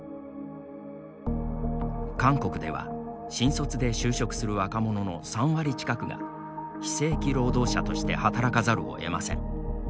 韓国では、新卒で就職する若者の３割近くが、非正規労働者として働かざるをえません。